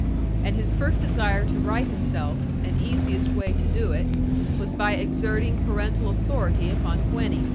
And his first desire to right himself, and easiest way to do it, was by exerting parental authority upon Gwenny.